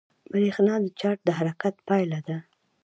برېښنا د چارج د حرکت پایله ده.